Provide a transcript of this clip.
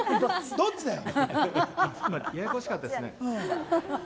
どっちだよ！